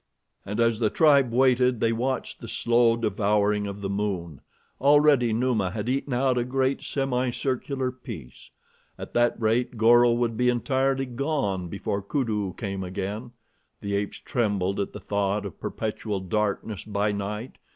And as the tribe waited they watched the slow devouring of the moon. Already Numa had eaten out a great semicircular piece. At that rate Goro would be entirely gone before Kudu came again. The apes trembled at the thought of perpetual darkness by night.